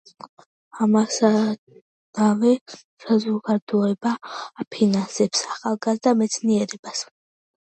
ამასთანავე საზოგადოება აფინანსებს ახალგაზრდა მეცნიერებს.